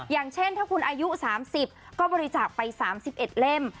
อย่างเช่นถ้าคุณอายุ๓๐ก็บริจาคไป๓๑เล่ม